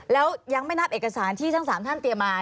แล้วยังไม่นับเอกสารที่ทั้ง๓ท่านเตรียมมา